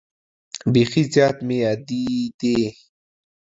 بیخي زیات مې یادېدې.